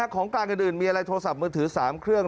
ของกลางอื่นมีอะไรโทรศัพท์มือถือ๓เครื่อง